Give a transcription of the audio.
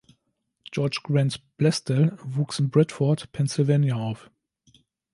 George Grant Blaisdell wuchs in Bradford, Pennsylvania, auf.